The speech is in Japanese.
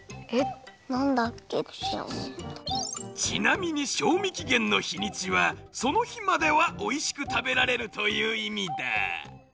ちなみに賞味期限のひにちはその日まではおいしく食べられるといういみだ。